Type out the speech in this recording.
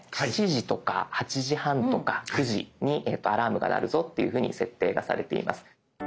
７時とか８時半とか９時にアラームが鳴るぞっていうふうに設定がされています。